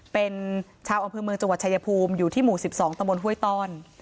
เป็นชาวอำเภอเมืองจังหวัดชายภูมิอยู่ที่หมู่๑๒ตะบนห้วยต้อน